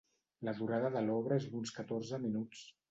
La durada de l'obra és d'uns catorze minuts.